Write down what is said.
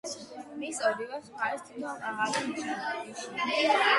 მის ორივე მხარეს თითო მაღალი ნიშია.